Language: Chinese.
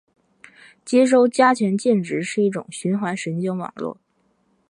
接收加权键值是一种循环神经网络